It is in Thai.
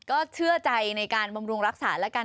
ก็เชื่อใจในการบำรุงรักษาแล้วกัน